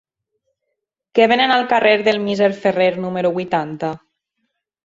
Què venen al carrer del Misser Ferrer número vuitanta?